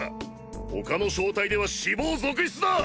他の小隊では“死亡”続出だ。